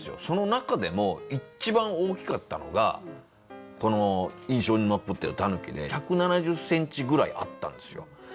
その中でも一番大きかったのがこの印象に残ってるタヌキで１７０センチぐらいあったんですよ。